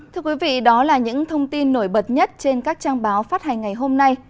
thưa quý vị đó là những thông tin nổi bật nhất trên các trang báo phát hành ngày hôm nay